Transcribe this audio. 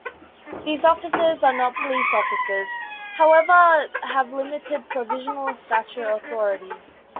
These officers are not police officers, however have limited provincial statute authority.